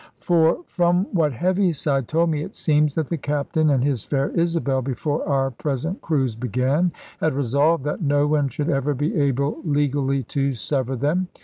For from what Heaviside told me, it seems that the Captain and his fair Isabel, before our present cruise began, had resolved that no one should ever be able legally to sever them.